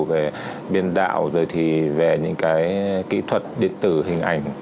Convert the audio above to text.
về biên đạo rồi thì về những cái kỹ thuật điện tử hình ảnh